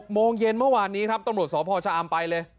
โมงเย็นเมื่อวานนี้ครับตำรวจสพชะอำไปเลย